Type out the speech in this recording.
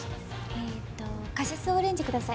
えっとカシスオレンジ下さい。